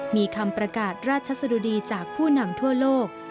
มีคำประกาศราชสะดุดีจากผู้นำทั่วโลก